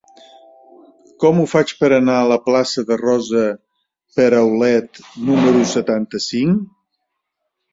Com ho faig per anar a la plaça de Rosa Peraulet número setanta-cinc?